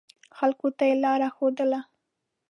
خلکو ته یې لاره ښودله.